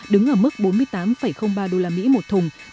đứng ở mức bốn mươi tám ba đô la mỹ một thùng